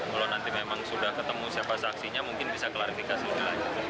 kalau nanti memang sudah ketemu siapa saksinya mungkin bisa klarifikasinya